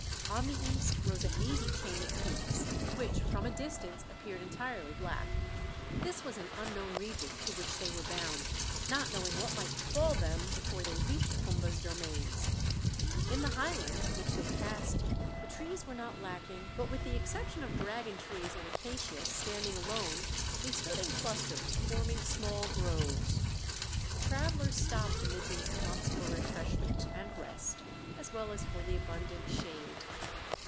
On the east rose a hazy chain of peaks, which from a distance appeared entirely black. This was an unknown region to which they were bound, not knowing what might befall them before they reached Fumba's domains. In the highlands which they passed trees were not lacking, but with the exception of dragon trees and acacias standing alone they stood in clusters, forming small groves. The travelers stopped amid these clumps for refreshment and rest as well as for the abundant shade.